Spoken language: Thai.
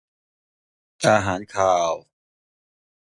อาหารคาว